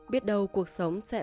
biết đâu cuộc sống sẽ như thế nào